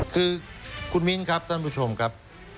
คือคุณมิ้นครับท่านผู้ชมครับ